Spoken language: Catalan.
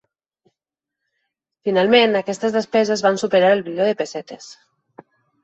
Finalment, aquestes despeses van superar el bilió de pessetes.